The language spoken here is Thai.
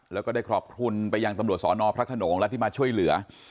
แล้วก็ได้ขอบคุณไปยังตำรวจสอนอพระขนงและที่มาช่วยเหลือ